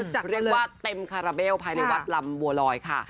เรียกว่าเต็มคาราเบลภายในวัดลำบัวลอยค่ะ